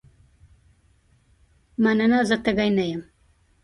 مننه زه تږې نه یم.